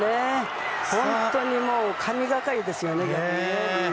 本当に神がかりですよね。